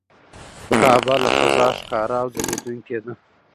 کعبه له فضا ښکاره او ځلېدونکې ده.